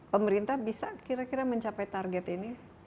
pemerintah bisa kira kira mencapai target ini